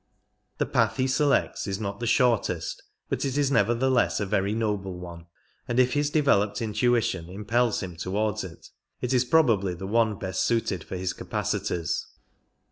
The path he selects is not the shortest, but it is nevertheless a very Jioble one, and if his developed intuition impels him to^vards it, it is probably the one best suited for his capacities.